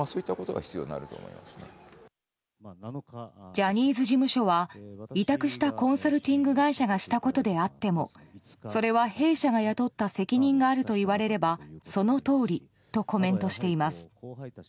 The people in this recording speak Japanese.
ジャニーズ事務所は委託したコンサルティング会社がしたことであってもそれは弊社が雇った責任があると言われれば、そのとおりとコメントしています。